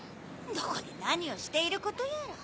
どこで何をしていることやら。